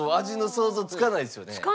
味の想像つかないですよね。